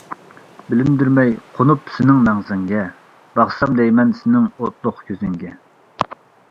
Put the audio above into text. بىلىندۈرمەي قونۇپ سېنىڭ مەڭزىڭگە، باقسام دەيمەن سېنىڭ ئوتلۇق كۆزۈڭگە.